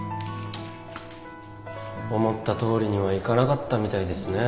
思ったとおりにはいかなかったみたいですね。